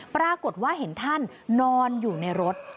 ปรากฏว่าเห็นท่านนอนอยู่ในรถ